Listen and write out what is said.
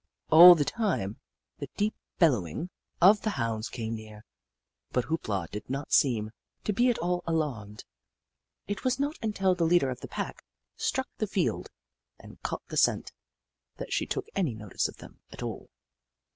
All the time, the deep bellowing of the 152 The Book of Clever Beasts Hounds came nearer, but Hoop La did not seem to be at all alarmed. It was not until the leader of the pack struck the field and caught the scent that she took any notice of them at all.